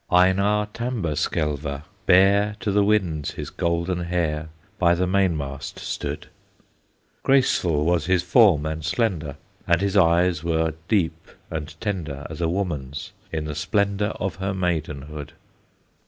Einar Tamberskelver, bare To the winds his golden hair, By the mainmast stood; Graceful was his form, and slender, And his eyes were deep and tender As a woman's, in the splendor Of her maidenhood.